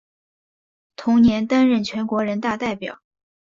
同年担任全国人大代表。